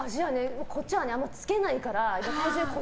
こっちはつけないから。